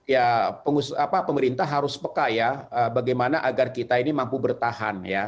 ya pemerintah harus peka ya bagaimana agar kita ini mampu bertahan ya